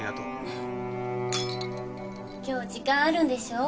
今日時間あるんでしょう？